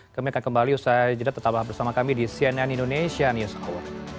kami akan kembali usai jeda tetaplah bersama kami di cnn indonesia news hour